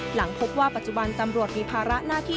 หลังพบว่าปัจจุบันตำรวจมีภาระหน้าที่